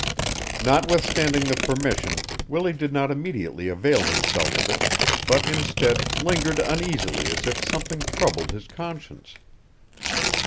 Notwithstanding the permission Willie did not immediately avail himself of it but instead lingered uneasily as if something troubled his conscience.